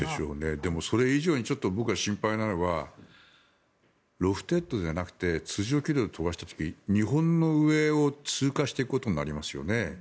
でも、それ以上に僕が心配なのはロフテッドじゃなくて通常軌道で飛ばした時日本の上を通過していくことになりますよね。